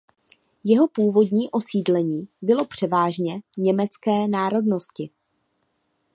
Jeho původní osídlení bylo převážně německé národnosti.